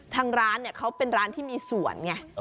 ทางร้านเนี่ยเขาเป็นร้านที่มีสวนไง